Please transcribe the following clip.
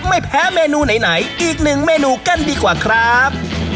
ไม่แพ้เมนูไหนอีกหนึ่งเมนูกันดีกว่าครับ